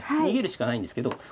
逃げるしかないんですけど。